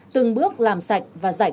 từng bước làm sạch và rạch